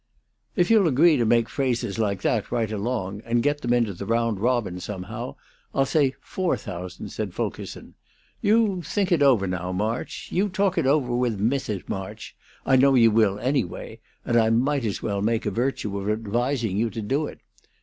"If you'll agree to make phrases like that, right along, and get them into 'The Round Robin' somehow, I'll say four thousand," said Fulkerson. "You think it over now, March. You talk it over with Mrs. March; I know you will, anyway; and I might as well make a virtue of advising you to do it.